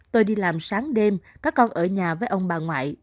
tôi đi làm sáng đêm có con ở nhà với ông bà ngoại